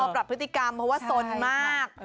ปรับพฤติกรรมเพราะว่าสนมาก